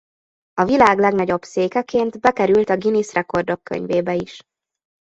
A világ legnagyobb székeként bekerült a Guinness Rekordok Könyvébe is.